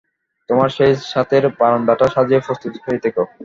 তোমার সেই ছাতের বারান্দাটা সাজিয়ে প্রস্তুত হয়ে থেকো।